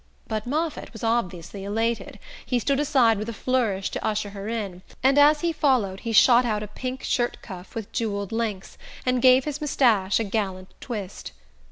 But Moffatt was obviously elated: he stood aside with a flourish to usher her in, and as he followed he shot out a pink shirt cuff with jewelled links, and gave his moustache a gallant twist.